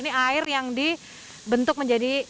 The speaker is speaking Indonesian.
ini air yang dibentuk menjadi